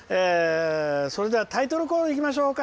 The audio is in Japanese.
それではタイトルコーナーいきましょうか。